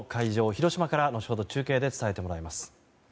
広島から後ほど中継で伝えてもらいます。